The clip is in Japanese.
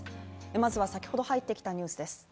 まずは先ほど入ってきたニュースです。